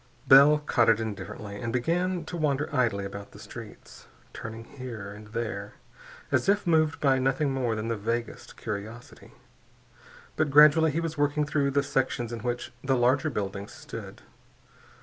Bell codded indifferently and began to wander idly about the streets, turning here and there as if moved by nothing more than the vaguest curiosity. But gradually he was working through the sections in which the larger buildings stood.